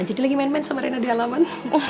jadi lagi main main sama reina di halaman